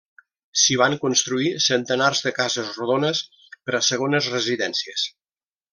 S'hi van construir centenars de cases rodones per a segones residències.